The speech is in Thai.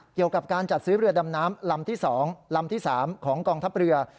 เกี่ยวกับการจัดซื้อเรือดำน้ำลำที่๒ลำที่๓ของกองทัพเรือ